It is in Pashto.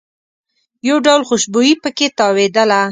یو ډول خوشبويي په کې تاوېدله.